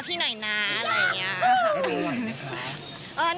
พี่หน่อยนะอะไรอย่างนี้